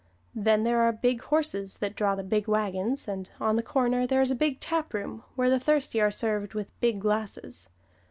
Then there are big horses that draw the big wagons, and on the corner there is a big taproom where the thirsty are served with big glasses.